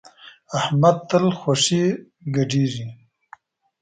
احمد تل خوشی ګډېږي.